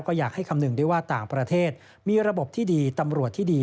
ก็อยากให้คำนึงได้ว่าต่างประเทศมีระบบที่ดีตำรวจที่ดี